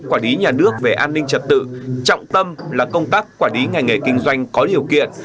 quản lý nhà nước về an ninh trật tự trọng tâm là công tác quản lý ngành nghề kinh doanh có điều kiện